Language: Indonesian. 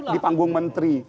di panggung menteri